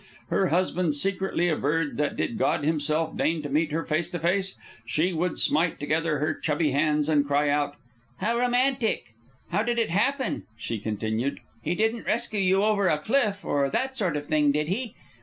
Her husband secretly averred that did God Himself deign to meet her face to face, she would smite together her chubby hands and cry out, "How romantic!" "How did it happen?" she continued. "He didn't rescue you over a cliff, or that sort of thing, did he?